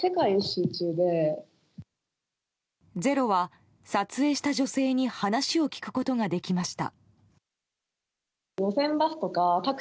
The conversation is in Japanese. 「ｚｅｒｏ」は撮影した女性に話を聞くことができました。